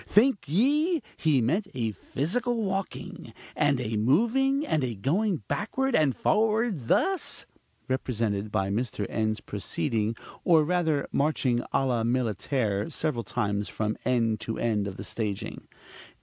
Think ye he meant a physical walking, and a moving, and a going backward and forward thus? (represented by Mr. N.'s proceeding, or rather marching, à la militaire, several times from end to end of the staging).